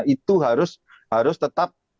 itu harus tetap